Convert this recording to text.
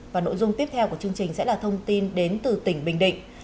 và nội dung tiếp theo của chương trình sẽ là thông tin đến từ tỉnh bình định